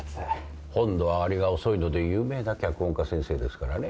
本の上がりが遅いので有名な脚本家先生ですからね。